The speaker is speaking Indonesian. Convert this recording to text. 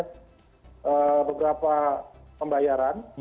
ada beberapa pembayaran